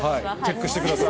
チェックしてください。